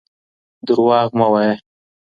درواغ مه وایه.